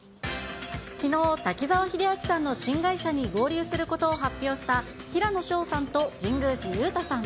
滝沢秀明さんの新会社に合流することを発表した平野紫燿さんと神宮寺勇太さん。